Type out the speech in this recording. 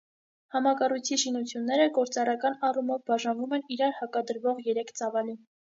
Համակառույցի շինությունները գործառական առումով բաժանվում են իրար հակադրվող երեք ծավալի։